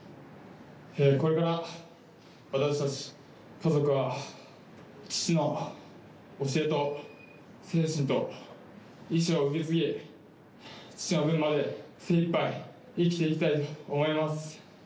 これから私たち家族は、父の教えと精神と意思を受け継ぎ、父の分まで精いっぱい、生きていきたいと思います。